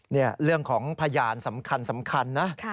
นี่เรื่องของพยานสำคัญนะ